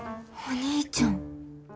お兄ちゃん。